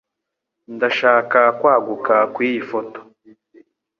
Ndashaka kwaguka kwiyi foto.